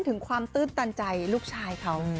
ของคำตื่นตันใจของลูกชายเขา